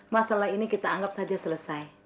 sekarang kita akan selesai